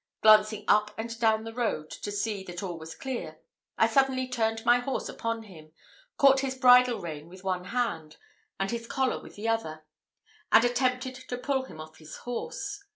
Glancing up and down the road, to see that all was clear, I suddenly turned my horse upon him, caught his bridle rein with one hand, and his collar with the other, and attempted to pull him off his horse.